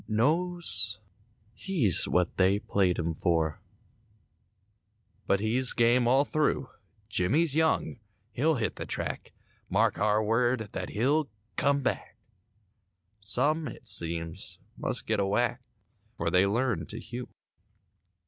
Knows he's what they played him for— But he's game all through. Jimmie's young; he'll hit the track; Mark our word, that he'll "come back"— Some, it seems, must get a whack— 'Fore they learn to hew.